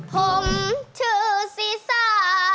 ผมชื่อศีซ่า